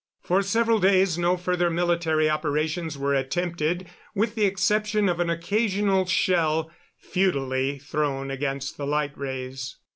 For several days no further military operations were attempted, with the exception of an occasional shell futilely thrown against the light rays.